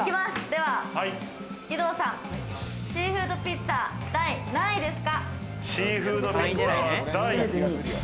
では、義堂さん、シーフードピッツァ、第何位です